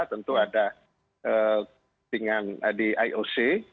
tentu ada di ioc